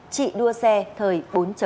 chị đua xe thời bốn